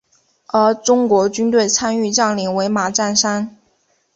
而中国军队参与将领为马占山。